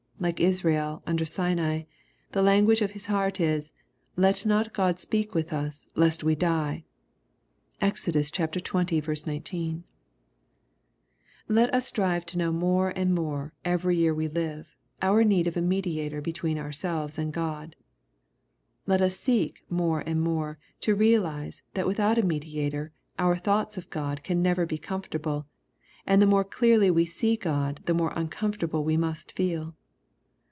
Like Israel under Sinai, the language of his heart is, " let not God speak with us, lest we die." (Exod. xx. 19.) Let us strive to know more and more, every year we live, our need of a mediator between ourselves and God. Let us seek more and more to realize that without a mediator our thoughts of God can never be comfortable, and the more clearly we see God the more uncomfortable we must feel.